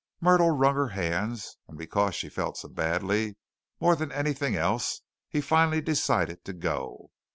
Myrtle wrung her hands, and because she felt so badly more than anything else, he finally decided to go.